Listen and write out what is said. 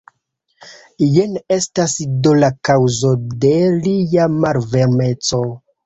Jen estas do la kaŭzo de lia malvarmeco.